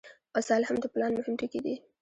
وسایل هم د پلان مهم ټکي دي.